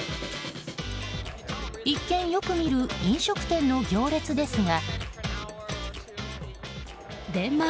一見よく見る飲食店の行列ですが。